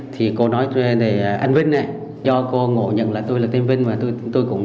thì cô nói anh vinh này do cô ngộ nhận là tôi là tên vinh và tôi cũng